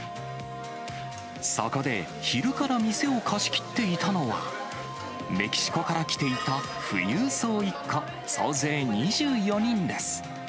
そこで、昼から店を貸し切っていたのは、メキシコから来ていた富裕層一家、総勢２４人です。